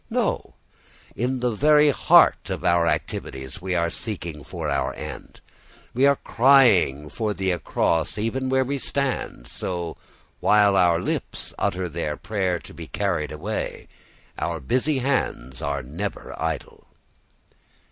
No, in the very heart of our activities we are seeking for our end. We are crying for the across, even where we stand. So, while our lips utter their prayer to be carried away, our busy hands are never idle.